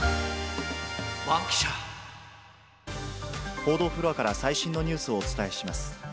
報道フロアから最新のニュースをお伝えします。